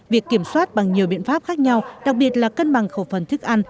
việc kiểm soát bằng nhiều biện pháp khác nhau đặc biệt là cân bằng khẩu phần thức ăn